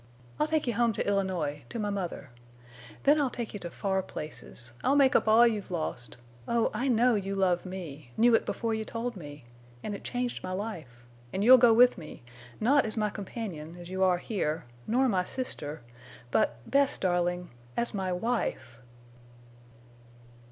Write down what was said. I'll take you home to Illinois—to my mother. Then I'll take you to far places. I'll make up all you've lost. Oh, I know you love me—knew it before you told me. And it changed my life. And you'll go with me, not as my companion as you are here, nor my sister, but, Bess, darling!... _As my wife!